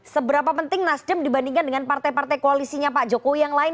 seberapa penting nasdem dibandingkan dengan partai partai koalisinya pak jokowi yang lain